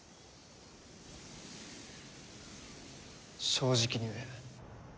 正直に言え。